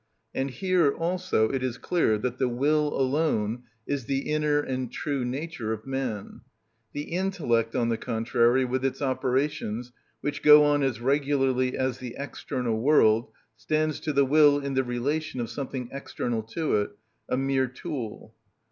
And here, also, it is clear that the will alone is the inner and true nature of man; the intellect, on the contrary, with its operations, which go on as regularly as the external world, stands to the will in the relation of something external to it, a mere tool.